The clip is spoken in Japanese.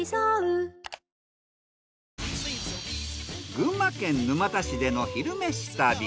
群馬県沼田市での「昼めし旅」。